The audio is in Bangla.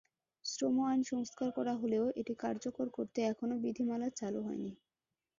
শ্রম আইন সংস্কার করা হলেও এটি কার্যকর করতে এখনো বিধিমালা চালু হয়নি।